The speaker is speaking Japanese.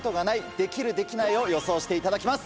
「できる？できない？」を予想していただきます。